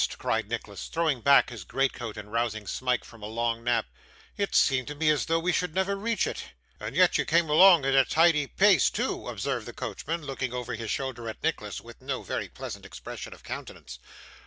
cried Nicholas, throwing back his greatcoat and rousing Smike from a long nap. 'It seemed to me as though we should never reach it.' 'And yet you came along at a tidy pace too,' observed the coachman, looking over his shoulder at Nicholas with no very pleasant expression of countenance.